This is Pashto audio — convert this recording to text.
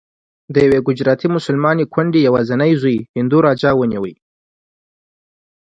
د یوې ګجراتي مسلمانې کونډې یوازینی زوی هندو راجا ونیو.